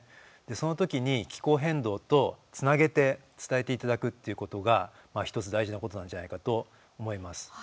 その時に気候変動とつなげて伝えていただくっていうことが１つ大事なことなんじゃないかと思います。